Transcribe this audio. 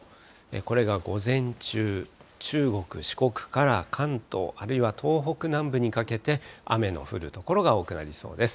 これが午前中、中国、四国から関東、あるいは東北南部にかけて、雨の降る所が多くなりそうです。